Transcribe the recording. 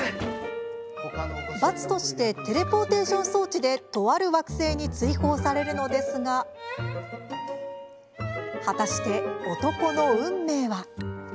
罰としてテレポーテーション装置でとある惑星に追放されるのですが果たして男の運命は？